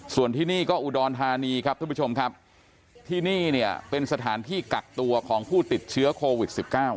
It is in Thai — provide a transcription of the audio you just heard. ส่วนที่นี่ก็อุดรธานีครับท่านผู้ชมครับที่นี่เนี่ยเป็นสถานที่กักตัวของผู้ติดเชื้อโควิด๑๙